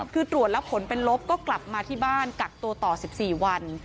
คือตรวจแล้วผลเป็นลบก็กลับมาที่บ้านกักตัวต่อ๑๔วัน